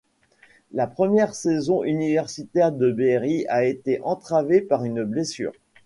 La première saison universitaire de Berry a été entravée par une blessure.